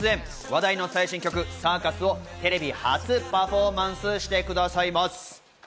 話題の最新曲『ＣＩＲＣＵＳ』をテレビ初パフォーマンスしてくださいます。